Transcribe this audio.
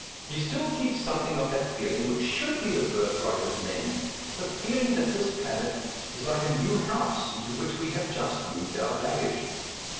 He still keeps some thing of that feeling which should be the birthright of men — the feeling that this planet is like a new house into which we have just moved our baggage.